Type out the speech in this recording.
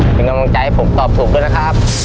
เป็นกำลังใจให้ผมตอบถูกด้วยนะครับ